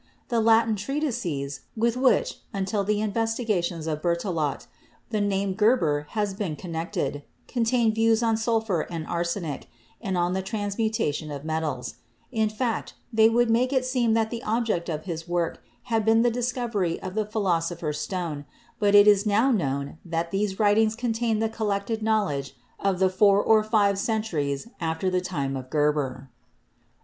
The Latin treatises, with which, until the investigations of Berthelot, the name of Geber has been connected, contain views on sulphur and arsenic, and on the transmutation of metals; in fact, they would make it seem that the object of his work had been the discovery of the Philosopher's Stone, but it is now known that these writings contain the collected knowledge of the four or five centuries after the time of Geber.